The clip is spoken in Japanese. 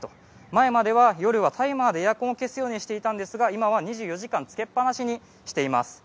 前までは夜はタイマーでエアコンを消すようにしていたんですが今は２４時間つけっぱなしにしています。